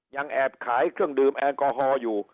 ยังแอบขายเครื่องดื่มแอลกอฮอล์อยู่